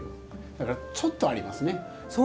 だから、ちょっとありますね。